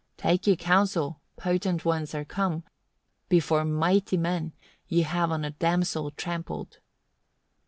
"Take ye counsel, potent ones are come; before mighty men ye have on a damsel trampled."